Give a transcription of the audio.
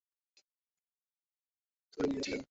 এই পরিবারটি জাকারিয়াকে অনাথ আশ্রম থেকে তুলে নিয়েছিলেন।